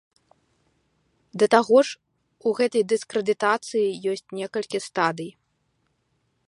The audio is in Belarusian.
Да таго ж, у гэтай дыскрэдытацыі ёсць некалькі стадый.